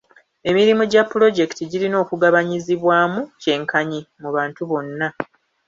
Emirimu gya pulojekiti girina okugabanyizibwaamu kyenkanyi mu bantu bonna.